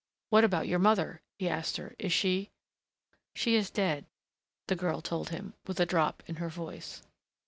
"What about your mother ?" he asked her. "Is she ?" "She is dead," the girl told him, with a drop in her voice.